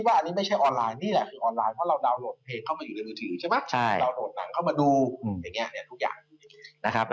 อันนี้ไม่ใช่เอาไลน์เหรอ